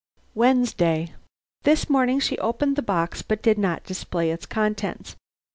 "Wednesday. "This morning she opened the box but did not display its contents.